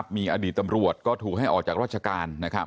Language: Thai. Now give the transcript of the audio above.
มีอดีตตำรวจก็ถูกให้ออกจากราชการ